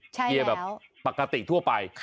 ใช่แล้วเกียร์แบบปกติทั่วไป